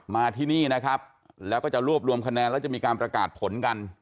มาที่นี่นะครับแล้วก็จะรวบรวมคะแนนแล้วจะมีการประกาศผลกัน